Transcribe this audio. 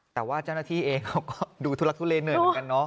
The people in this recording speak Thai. แต่ว่าเจ้าหน้าที่เองเขาก็ดูทุลักทุเลเหนื่อยเหมือนกันเนาะ